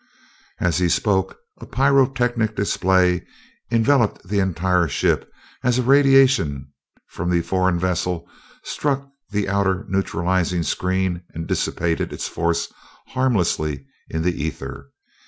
As he spoke, a pyrotechnic display enveloped the entire ship as a radiation from the foreign vessel struck the other neutralizing screen and dissipated its force harmlessly in the ether.